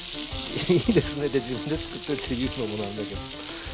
いいですねって自分でつくっといて言うのもなんだけど。